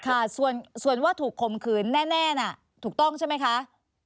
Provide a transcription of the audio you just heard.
ค่ะส่วนว่าถูกข่มขืนแน่น่ะถูกต้องใช่ไหมคะ